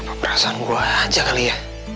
apa perasaan gue aja kali ya